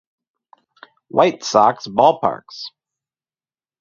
White Sox Ballparks.